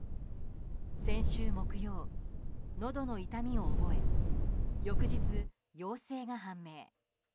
先週木曜のどの痛みを覚え翌日、陽性が判明。